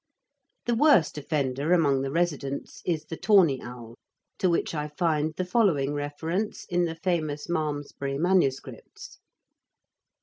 The worst offender among the residents is the tawny owl, to which I find the following reference in the famous Malmesbury MSS.